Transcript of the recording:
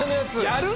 やる？